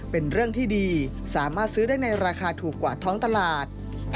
เป็นเรื่องที่ดีสามารถซื้อได้ในราคาถูกกว่าท้องตลาด